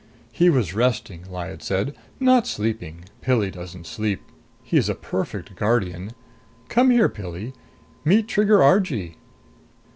"He was resting," Lyad said. "Not sleeping. Pilli doesn't sleep. He's a perfect guardian. Come here, Pilli meet Trigger Argee."